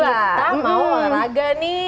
kita mau olahraga nih